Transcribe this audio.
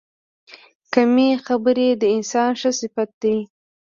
کمې خبرې، د انسان ښه صفت دی.